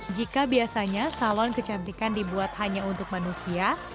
jika biasanya salon kecantikan dibuat hanya untuk manusia